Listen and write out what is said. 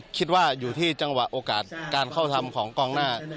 คิดว่าอยู่ที่จังหวะโอกาสการเข้าทำของกองหน้า